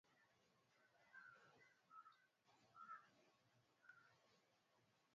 Hubainika kwa utashi wa kimazoea wa dawa za kulevya